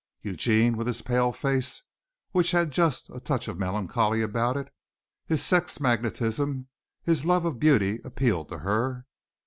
Eugene, with his pale face, which had just a touch of melancholy about it, his sex magnetism, his love of beauty, appealed to her.